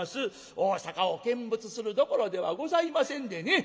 大坂を見物するどころではございませんでね